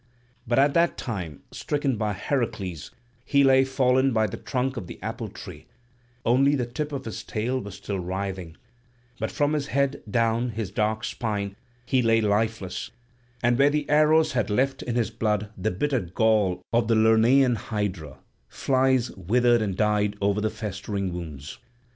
But at that time, stricken by Heracles, he lay fallen by the trunk of the apple tree; only the tip of his tail was still writhing; but from his head down his dark spine he lay lifeless; and where the arrows had left in his blood the bitter gall of the Lernaean hydra, flies withered and died over the festering wounds.